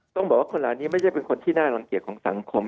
ต้องบอกว่าคนเหล่านี้ไม่ใช่เป็นคนที่น่ารังเกียจของสังคม